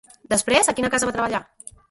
Després, a quina casa va treballar?